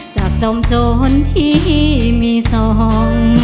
จากจองจนที่มีสอง